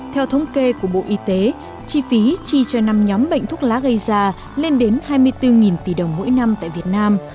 theo thống kê của bộ y tế chi phí chi cho năm nhóm bệnh thuốc lá gây ra lên đến hai mươi bốn tỷ đồng mỗi năm tại việt nam